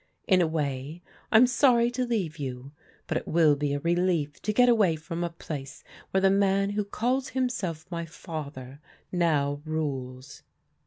In a way I'm sorry to leave you, but it will be a relief to get away from a place where the man who calls himself my father now rules.